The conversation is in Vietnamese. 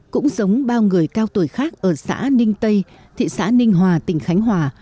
cũng giống bao người cao tuổi khác ở xã ninh tây thị xã ninh hòa tỉnh khánh hòa